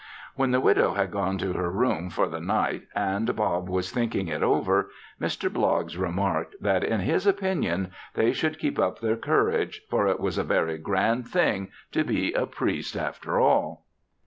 When the widow had gone to her room for the night and Bob was thinking it over, Mr. Bloggs remarked that in his opinion they should keep up their courage for it was a very grand thing to be a priest after all.